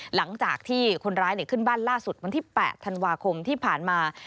หลังจากที่คนร้ายขึ้นบ้านล่าสุดวันที่๘ธันวาคมที่ผ่านมา